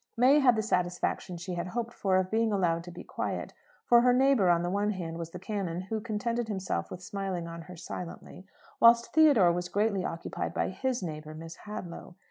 May had the satisfaction she had hoped for, of being allowed to be quiet; for her neighbour on the one hand was the canon, who contented himself with smiling on her silently, whilst Theodore was greatly occupied by his neighbour, Miss Hadlow.